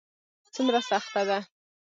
څومره سخته ده ؟